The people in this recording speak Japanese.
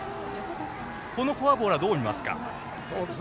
このフォアボールはどう見ますか。